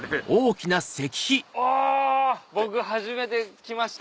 あぁ僕初めて来ました。